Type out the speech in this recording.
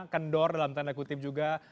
kendor dalam tanda kutip juga